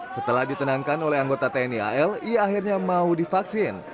setelah ditenangkan oleh anggota tni al ia akhirnya mau divaksin